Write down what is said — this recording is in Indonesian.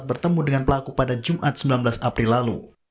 bertemu dengan pelaku pada jumat sembilan belas april lalu